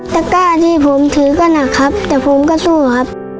ตะก้าที่ผมถือก็หนักครับแต่ผมก็สู้ครับ